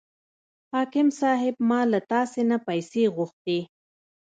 حاکم صاحب ما له تاسې نه پیسې غوښتې.